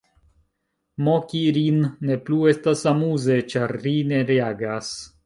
Moki rin ne plu estas amuze ĉar ri ne reagas.